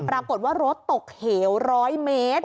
ปรากฏว่ารถตกเหว๑๐๐เมตร